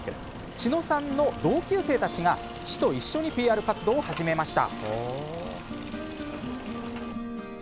千野さんの同級生たちが市と一緒にＰＲ活動を始めました。